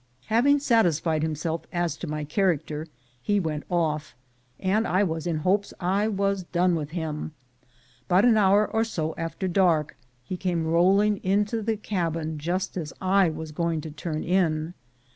Having satisfied himself as to my character, he went off, and I was in hopes I was done with him, but an hour or so after dark, he came rolling into the cabin just as I was going to turn in.